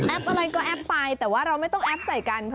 อะไรก็แอปไปแต่ว่าเราไม่ต้องแอปใส่กัน